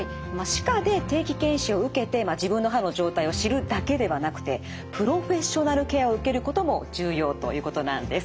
歯科で定期健診を受けて自分の歯の状態を知るだけではなくてプロフェッショナルケアを受けることも重要ということなんです。